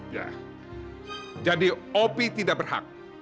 ya jadi opi tidak berhak